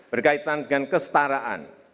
berkaitan dengan kesetaraan